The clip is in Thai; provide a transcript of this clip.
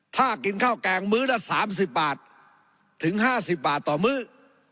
ถ้ากินข้าวแกงมื้อละ๓๐บาทถึง๕๐บาทต่อมื้อ